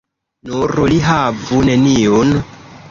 Nur li havu neniun.